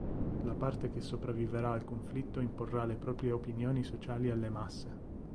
La parte che sopravviverà al conflitto imporrà le proprie opinioni sociali alle masse.